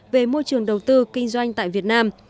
về môi trường đầu tư kinh doanh tại việt nam